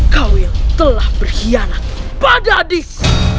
kau yang telah berhianat pada adikku